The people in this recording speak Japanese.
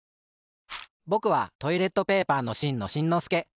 ぼくはトイレットペーパーのしんのしんのすけ。